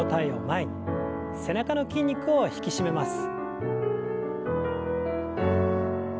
背中の筋肉を引き締めます。